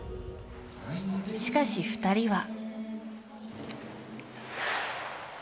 しかし、２人は。